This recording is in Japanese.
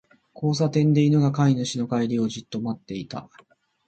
交差点で、犬が飼い主の帰りをじっと待っていた。